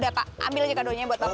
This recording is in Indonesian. udah pak ambil aja kado nya buat papa